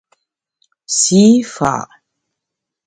Sî fa’ !